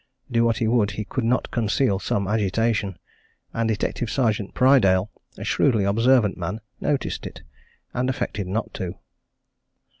Do what he would he could not conceal some agitation, and Detective Sergeant Prydale, a shrewdly observant man, noticed it and affected not to.